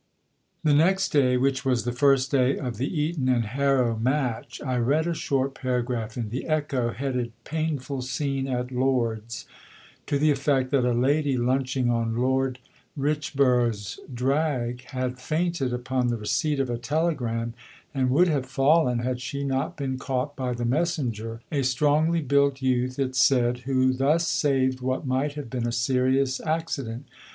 The next day, which was the first day of the Eton and Harrow Match, I read a short paragraph in the Echo, headed "Painful Scene at Lord's," to the effect that a lady lunching on Lord Richborough's drag had fainted upon the receipt of a telegram, and would have fallen had she not been caught by the messenger "a strongly built youth," it said, "who thus saved what might have been a serious accident."